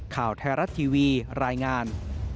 ข่าวไทยรัฐทีวีรายงาน